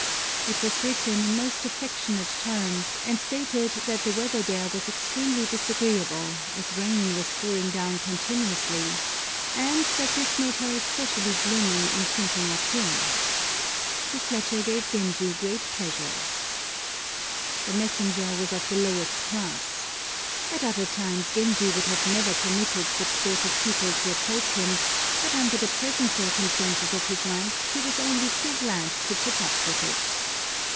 It was written in most affectionate terms, and stated that the weather there was extremely disagreeable, as rain was pouring down continuously, and that this made her especially gloomy in thinking of him. This letter gave Genji great pleasure. The messenger was of the lowest class. At other times Genji would never have permitted such sort of people to approach him, but under the present circumstances of his life he was only too glad to put up with it.